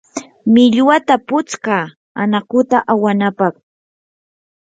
millwata putskaa anakuta awanapaq.